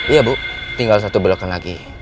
iya bu tinggal satu belokan lagi